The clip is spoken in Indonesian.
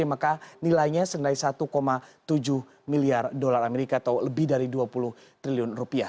maka nilainya senilai satu tujuh miliar dolar amerika atau lebih dari dua puluh triliun rupiah